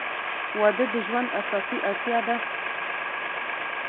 • واده د ژوند اساسي اړتیا ده.